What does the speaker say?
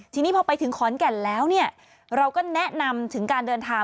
ทีนี้พอไปถึงขอนแก่นแล้วเนี่ยเราก็แนะนำถึงการเดินทาง